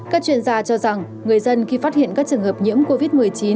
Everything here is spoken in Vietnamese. các chuyên gia cho rằng người dân khi phát hiện các trường hợp nhiễm covid một mươi chín